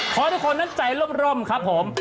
เพราะทุกคนนั้นใจร่มครับผม